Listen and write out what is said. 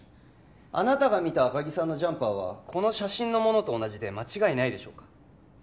あなたが見た赤木さんのジャンパーはこの写真のものと同じで間違いないでしょうか？